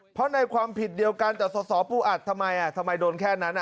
เพราะในความผิดเดียวกันแต่สอบปูอัดทำไมโดนแค่นั้น